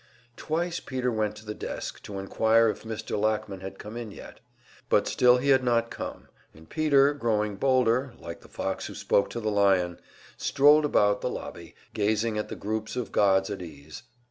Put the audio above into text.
Twice Peter went to the desk, to inquire if Mr. Lackman had come in yet; but still he had not come; and Peter growing bolder, like the fox who spoke to the lion strolled about the lobby, gazing at the groups of gods at ease.